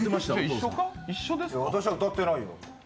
いや、私は歌ってないよ。